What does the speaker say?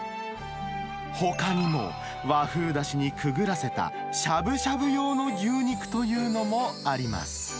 ほかにも、和風だしにくぐらせたしゃぶしゃぶ用の牛肉というのもあります。